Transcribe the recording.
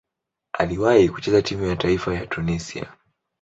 Aliwahi kucheza timu ya taifa ya Tunisia.